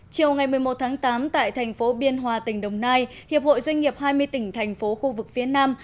chiều ngày một mươi một tháng tám tại thành phố biên hòa tỉnh đồng nai hiệp hội doanh nghiệp hai mươi tỉnh thành phố khu vực phía nam